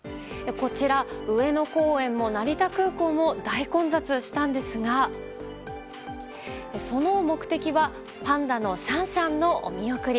こちら、上野公園も成田空港も大混雑したんですがその目的はパンダのシャンシャンのお見送り。